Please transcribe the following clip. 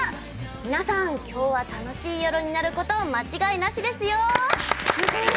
皆さん、きょうは楽しい夜になること間違いなしですよ！